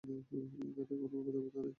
এখানে কোনো দেবতা নাই, কোনে।